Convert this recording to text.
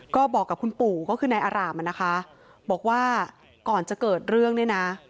ก็บอกกับคุณปู่ก็คือนายอารามอ่ะนะคะบอกว่าก่อนจะเกิดเรื่องเนี่ยนะ